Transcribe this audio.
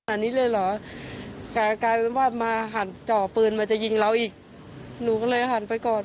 ไม่คิดว่ายอดจะทำกับลูกแม่ขนาดนี้ไม่คิด